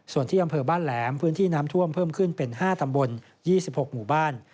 ส่วนที่อำเภอบ้านแหลมพื้นที่น้ำท่วมเพิ่มขึ้นเป็น๕ตำบล๒๖หมู่บ้าน